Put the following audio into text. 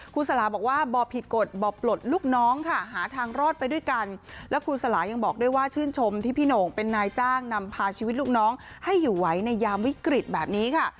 สลาบอกว่าบ่อผิดกฎบ่อปลดลูกน้องค่ะหาทางรอดไปด้วยกันแล้วครูสลายังบอกด้วยว่าชื่นชมที่พี่โหน่งเป็นนายจ้างนำพาชีวิตลูกน้องให้อยู่ไหวในยามวิกฤตแบบนี้ค่ะ